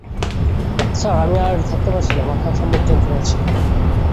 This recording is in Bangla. স্যার, আমি আর থাকতে পারছি না, মাথায় অসম্ভব যন্ত্রণা হচ্ছে।